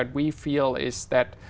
tôi là vu